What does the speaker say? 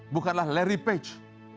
bukanlah larry page